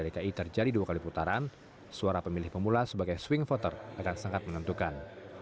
dki terjadi dua kali putaran suara pemilih pemula sebagai swing voter akan sangat menentukan